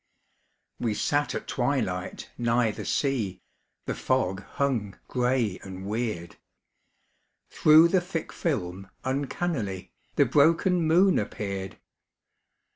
We sat at twilight nigh the sea, The fog hung gray and weird. Through the thick film uncannily The broken moon appeared.